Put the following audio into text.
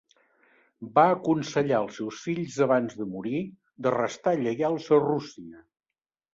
Va aconsellar als seus fills abans de morir de restar lleials a Rússia.